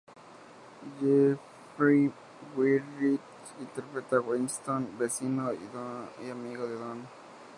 Jeffrey Wright interpreta a Winston, vecino y amigo de Don.